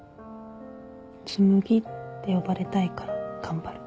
紬って呼ばれたいから頑張る。